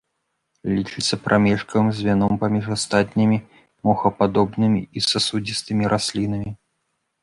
Лічыцца прамежкавым звяном паміж астатнімі мохападобнымі і сасудзістымі раслінамі.